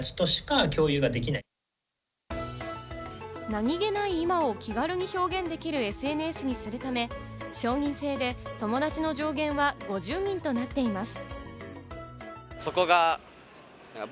何げない今を気軽に表現できるＳＮＳにするため、承認制で友達の上限は５０人となっています。